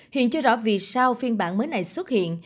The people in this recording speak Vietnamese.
hiện chưa rõ vì sao phiên bản mới này xuất hiện